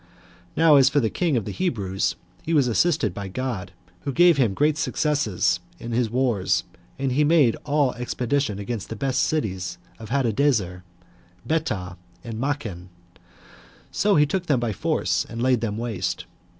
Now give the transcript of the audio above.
Now as for the king of the Hebrews, he was assisted by God, who gave him great success in his wars, and he made all expedition against the best cities of Hadadezer, Betah and Machen; so he took them by force, and laid them waste.